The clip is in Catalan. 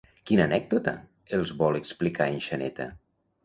Quina anècdota els vol explicar en Xaneta?